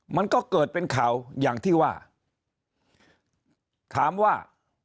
มันก็เกิดเป็นข่าวอย่างที่ว่าถามว่า